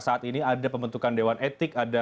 saat ini ada pembentukan dewan etik ada